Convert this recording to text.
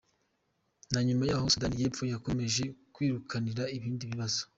Na nyuma yaho Sudan y’Epfo yakomeje kwikururira ibindi bibazo.